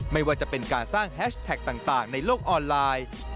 ไม่ว่าจะเป็นการสร้างแฮชแท็กต่างในโลกออนไลน์